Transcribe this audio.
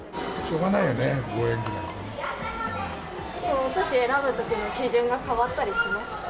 おすし選ぶときの基準は変わったりしますか？